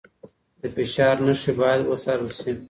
د فشار نښې باید وڅارل شي.